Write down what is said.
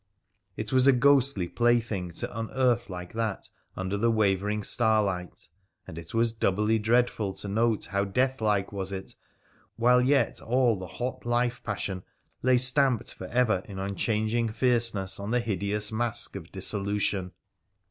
It was a ghostly plaything to unearth like that under the wavering starlight, and it was doubly dreadful to note how deathlike was it while yet all the hot life passion lay stamped for ever in unchanging fierceness on the hideous mask of dissolution.